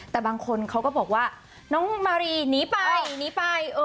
แต่บางคนเขาก็บอกว่าน้องมารีหนีไปหนีไป